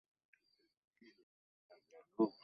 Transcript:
পূর্ব হইতেই সে-কাগজের উপর লেখা হইয়া গিয়াছে।